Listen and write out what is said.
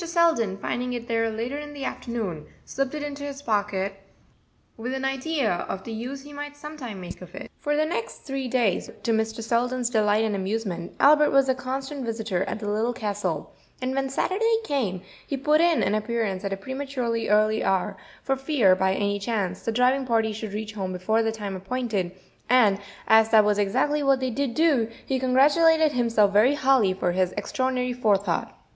Selden, finding it there later in the afternoon, slipped it into his pocket, with an idea of the use he might some time make of it. For the next three days, to Mr. Selden's delight and amusement, Albert was a constant visitor at the Little Castle, and when Saturday came he put in an appearance at a prematurely early hour, for fear, by any chance, the driving party should reach home before the time appointed; and as that was exactly what they did do, he congratulated himself very highly for his extraordinary forethought.